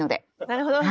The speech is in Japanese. なるほど。